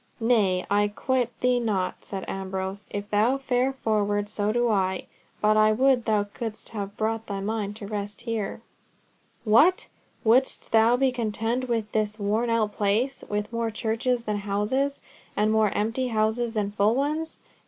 "Nay, I quit thee not," said Ambrose. "If thou fare forward, so do I. But I would thou couldst have brought thy mind to rest there." "What! wouldst thou be content with this worn out place, with more churches than houses, and more empty houses than full ones?